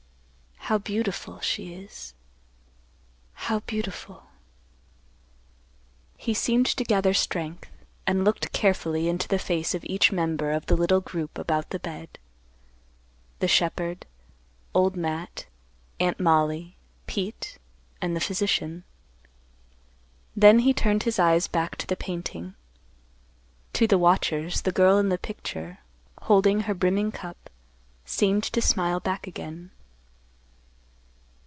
How beautiful she is—how beautiful!" He seemed to gather strength, and looked carefully into the face of each member of the little group about the bed; the shepherd, Old Matt, Aunt Mollie, Pete, and the physician. Then he turned his eyes back to the painting. To the watchers, the girl in the picture, holding her brimming cup, seemed to smile back again.